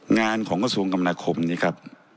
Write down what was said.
งานของกระทรวงกรรมนาคมนี้ครับ